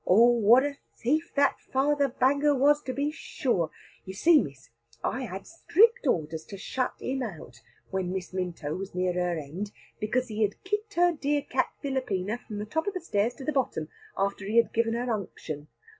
"Oh what a thief that Father Banger was, to be sure! You see, Miss, I had strict orders to shut him out, when Miss Minto was near her end, because he had kicked her dear cat Filippina from the top of the stairs to the bottom, after he had gived her unction.